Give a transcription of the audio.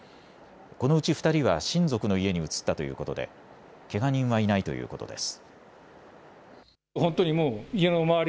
このうち２人は親族の家に移ったということでけが人はいないということです。